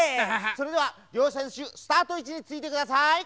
それではりょうせんしゅスタートいちについてください。